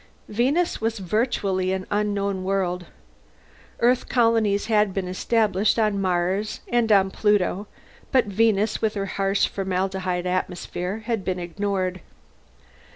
Venus was virtually an unknown world. Earth colonies had been established on Mars and on Pluto, but Venus, with her harsh formaldehyde atmosphere, had been ignored.